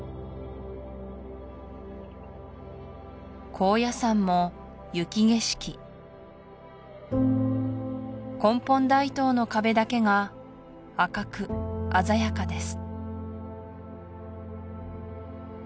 高野山も雪景色根本大塔の壁だけが赤く鮮やかです